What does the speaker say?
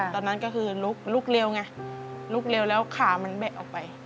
ตอนนั้นก็คือลุกเร็วไงลุกเร็วแล้วขามันแบะออกไป